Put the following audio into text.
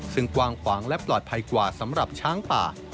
ซึ่งกว้างขวางและปลอดภัยกว่าสำหรับช้างป่า